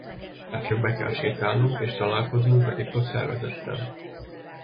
Már csak be kell sétálnunk és találkoznunk a titkos szervezettel.